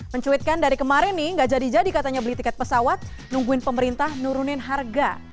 mencuitkan dari kemarin nih gak jadi jadi katanya beli tiket pesawat nungguin pemerintah nurunin harga